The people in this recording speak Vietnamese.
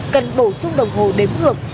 cần bổ sung đồng hồ đếm ngược